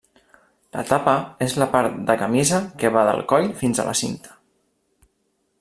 La tapa és la part de camisa que va del coll fins a la cinta.